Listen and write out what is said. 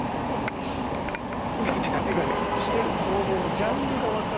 してる行動のジャンルがわからんのよ。